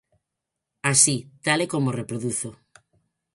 Así, tal e como o reproduzo.